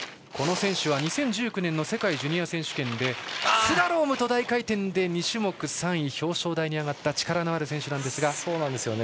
この選手は２０１９年の世界ジュニア選手権でスラロームと大回転で２種目、３位表彰台に上がった力のある選手でしたが。